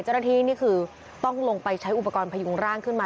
เจ้าหน้าที่นี่คือต้องลงไปใช้อุปกรณ์พยุงร่างขึ้นมา